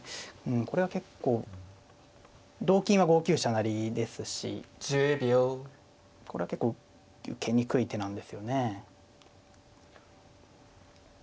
これは結構同金は５九飛車成ですしこれは結構受けにくい手なんですよね。